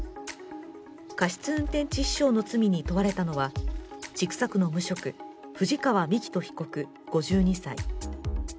過失運転致死傷の罪に問われたのは千種区の無職、藤川幹人被告５２歳。